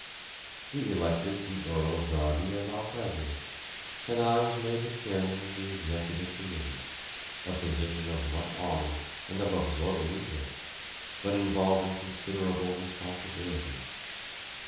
We elected the Earl of Derby as our president, and I was made the chairman of the executive committee, a position of much honour and of absorbing interest, but involving considerable responsibility.